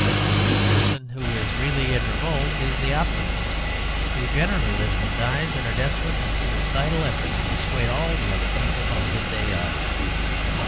The person who is really in revolt is the optimist, who generally lives and dies in a desperate and suicidal effort to persuade all the other people how good they are.